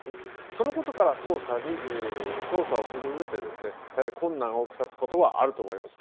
そのことから捜査をするうえで大変困難をきたすことはあると思います。